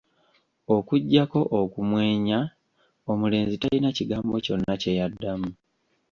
Okuggyako okumwenya, omulenzi talina kigambo kyonna kye yaddamu.